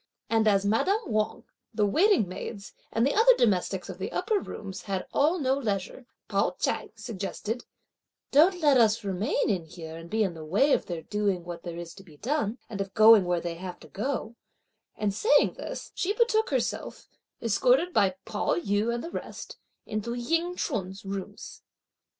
And as Madame Wang, the waiting maids and the other domestics of the upper rooms had all no leisure, Pao ch'ai suggested: "Don't let us remain in here and be in the way of their doing what there is to be done, and of going where they have to go," and saying this, she betook herself, escorted by Pao yü and the rest, into Ying Ch'un's rooms.